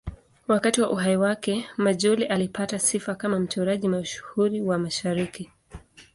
Wakati wa uhai wake, Majolle alipata sifa kama mchoraji mashuhuri wa Mashariki.